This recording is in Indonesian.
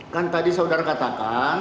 kan tadi saudara katakan